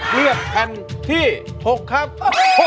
เลือกแผ่นที่๖ครับ